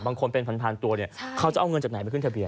บางคนเป็นพันตัวเนี่ยเขาจะเอาเงินจากไหนไปขึ้นทะเบีย